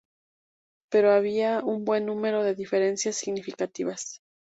Pero había un buen número de diferencias significativas.